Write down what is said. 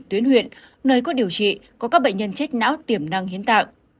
tuyến huyện nơi có điều trị có các bệnh nhân chết não tiềm năng hiến tạng